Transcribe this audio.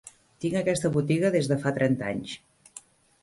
Tinc aquesta botiga des de fa trenta anys.